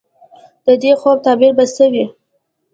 د دې خوب تعبیر به څه وي ؟